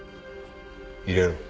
入れろ。